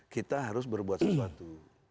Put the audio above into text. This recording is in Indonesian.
kita harus berbuat sesuatu